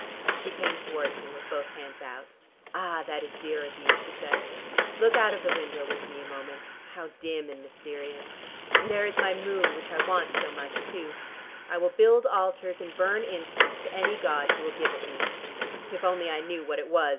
She came towards him with both hands out. "Ah, that is dear of you," she said. "Look out of the window with me a moment: how dim and mysterious. There is my moon which I want so much, too. I will build altars and burn incense to any god who will give it me. If only I knew what it was.